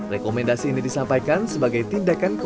rekomendasi ini disampaikan sebagai tindakan kewajiban